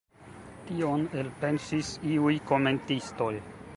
Tion elpensis iuj komentistoj.